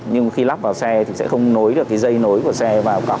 nhưng khi lắp vào xe thì sẽ không nối được cái dây nối của xe vào